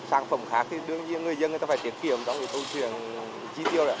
các phòng khác thì đương nhiên người dân phải tiết kiệm tôn truyền chi tiêu